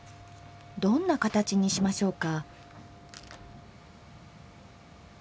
どんな形にしましょうか。